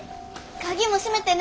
鍵も閉めてね。